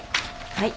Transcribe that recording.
はい。